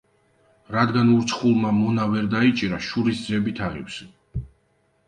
რადგან ურჩხულმა მონა ვერ დაიჭირა, შურისძიებით აღივსო.